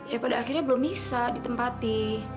ya pada akhirnya belum bisa ditempati